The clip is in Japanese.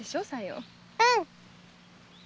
うん！